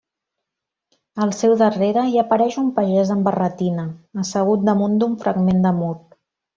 Al seu darrere hi apareix un pagès amb barretina, assegut damunt d'un fragment de mur.